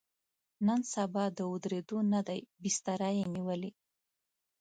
نن سبا د ودرېدو نه دی، بستره یې نیولې.